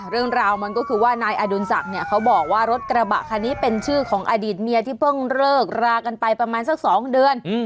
เรื่องราวมันก็คือว่านายอดุลศักดิ์เนี่ยเขาบอกว่ารถกระบะคันนี้เป็นชื่อของอดีตเมียที่เพิ่งเลิกรากันไปประมาณสัก๒เดือน